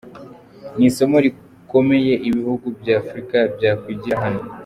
Ni isomo rikomeye ibihugu bya Afurika byakwigira hano.